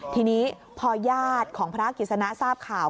ทีนี้พอญาติของพระกิจสนะทราบข่าว